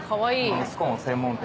スコーン専門店。